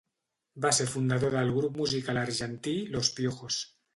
Va ser fundador del grup musical argentí Los Piojos.